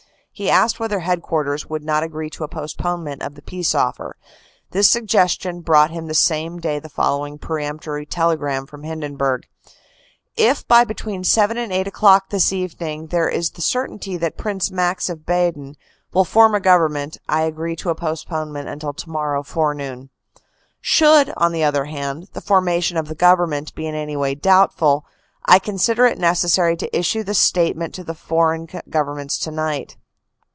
He asked whether Headquarters would not agree to a postponement of the peace offer. This suggestion brought him the same day the following peremptory telegram from Hindenburg: " If by between seven and eight o clock this evening there is the certainty that Prince Max of Baden will form a Govern ment, I agree to a postponement until to morrow forenoon. " Should, on the other hand, the formation of the Govern ment be in any way doubtful, I consider it necessary to issue the statement to the foreign Governments tonight.